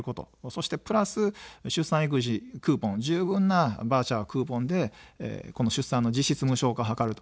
そしてプラス出産育児クーポン、十分なバウチャー、クーポンでこの出産の実質無償化を図る。